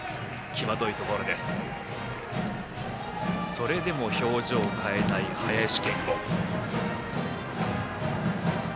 それでも表情を変えない林謙吾。